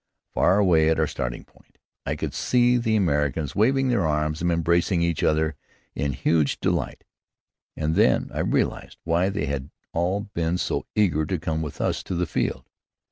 Far away, at our starting point, I could see the Americans waving their arms and embracing each other in huge delight, and then I realized why they had all been so eager to come with us to the field.